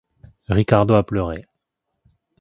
Riccardo a pleuré.